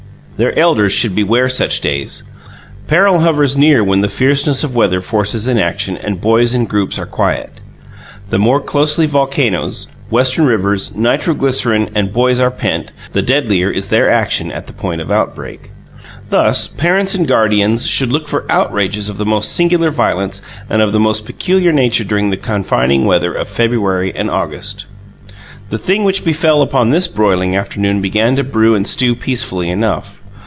Their elders should beware such days. Peril hovers near when the fierceness of weather forces inaction and boys in groups are quiet. The more closely volcanoes, Western rivers, nitroglycerin, and boys are pent, the deadlier is their action at the point of outbreak. Thus, parents and guardians should look for outrages of the most singular violence and of the most peculiar nature during the confining weather of February and August. The thing which befell upon this broiling afternoon began to brew and stew peacefully enough.